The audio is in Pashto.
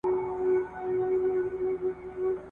پر اوږو مي ژوندون بار دی ورځي توري، شپې اوږدې دي ,